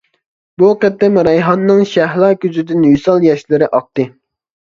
بۇ قېتىم رەيھاننىڭ شەھلا كۆزىدىن ۋىسال ياشلىرى ئاقتى.